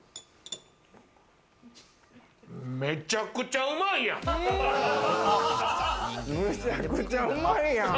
めちゃくちゃうまいやん！